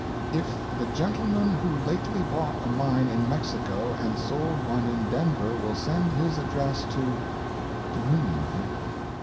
"If the gentleman who lately bought a mine in Mexico and sold one in Denver will send his address to " (to whom, mother?)